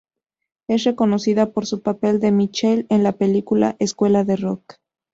Es reconocida por su papel de Michelle en la película "Escuela de rock".